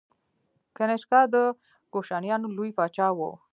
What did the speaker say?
کنیشکا د کوشانیانو لوی پاچا و.